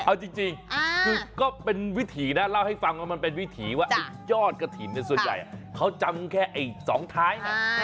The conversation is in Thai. เอาจริงคือก็เป็นวิถีนะเล่าให้ฟังว่ามันเป็นวิถีว่าไอ้ยอดกระถิ่นส่วนใหญ่เขาจำแค่ไอ้สองท้ายนะ